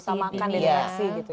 utamakan deteksi gitu ya